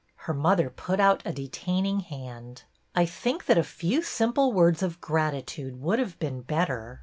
Her mother put out a detaining hand. " I think that a few simple words of gratitude would have been better."